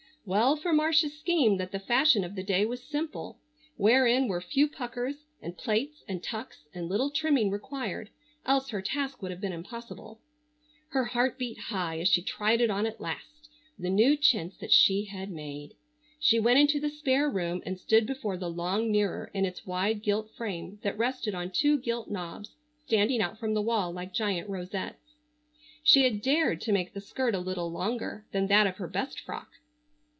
Well for Marcia's scheme that the fashion of the day was simple, wherein were few puckers and plaits and tucks, and little trimming required, else her task would have been impossible. Her heart beat high as she tried it on at last, the new chintz that she had made. She went into the spare room and stood before the long mirror in its wide gilt frame that rested on two gilt knobs standing out from the wall like giant rosettes. She had dared to make the skirt a little longer than that of her best frock.